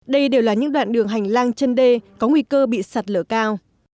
đây đều là những đoạn đường hành lang chân đê có nguy cơ bị sạt lở cao